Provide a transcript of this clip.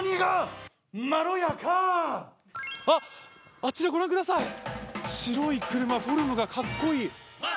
あちらご覧ください、白い車フォルムがかっこいい。